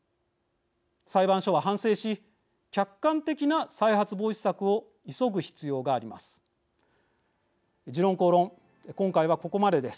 裁判所は真剣に反省し客観的な再発防止策を急ぐ必要があります。